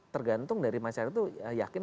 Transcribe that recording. tergantung dari masyarakat yakin